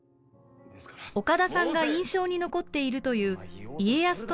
岡田さんが印象に残っているという家康とのシーンです。